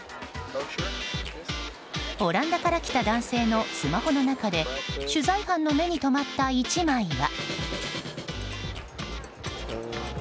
オランダから来た男性のスマホの中で取材班の目に留まった１枚は。